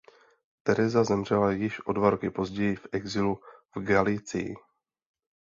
Tereza zemřela již o dva roky později v exilu v Galicii.